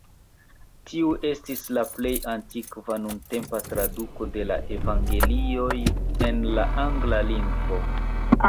Tiu estis la plej antikva nuntempa traduko de la Evangelioj en la angla lingvo.